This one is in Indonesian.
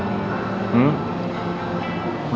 masih sakit kepalanya